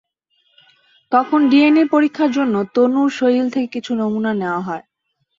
তখন ডিএনএ পরীক্ষার জন্য তনুর শরীর থেকে কিছু নমুনা নেওয়া হয়।